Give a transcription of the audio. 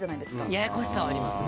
ややこしさはありますね。